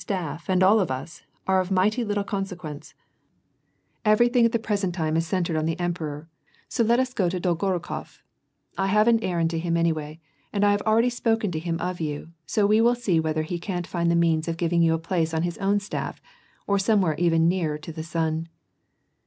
303 staff and all of us, are of mighty little consequence ; every thing at the present time is centred on the emperor, — so let us go to Dolgorukof ; I have an errand to him anyway, and I hare already spoken to him of you, so we will see whether he can't find the means of giving you a place on his own staff, or somewhere even nearer to the sun."